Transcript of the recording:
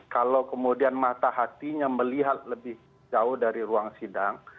kalau kemudian mata hatinya melihat lebih jauh dari ruang sidang